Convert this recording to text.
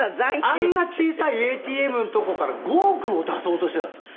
あんな小さいＡＴＭのとこから５億を出そうとしてたんですか？